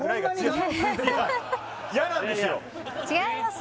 違います